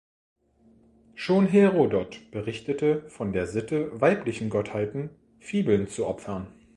Schon Herodot berichtete von der Sitte, weiblichen Gottheiten Fibeln zu opfern.